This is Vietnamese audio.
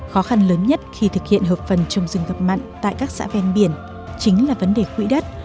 khó khăn lớn nhất khi thực hiện hợp phần trồng rừng ngập mặn tại các xã ven biển chính là vấn đề quỹ đất